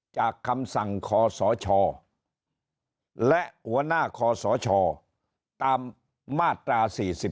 คำสั่งคอสชและหัวหน้าคอสชตามมาตรา๔๔